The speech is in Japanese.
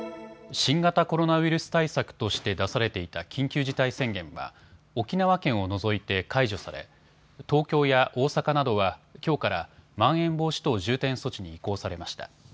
新型コロナウイルス対策として出されていた緊急事態宣言は沖縄県を除いて解除され東京や大阪などはきょうからまん延防止等重点措置に移行されました。